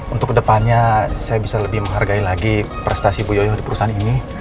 untuk kedepannya saya bisa lebih menghargai lagi prestasi bu yoyo di perusahaan ini